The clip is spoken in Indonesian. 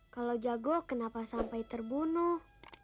kalau jago kenapa sampai terbunuh